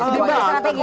di bagian strategi ya